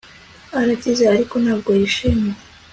Arakize ariko ntabwo yishimye